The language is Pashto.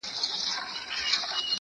آسمانه ما خو داسي نه غوښتله،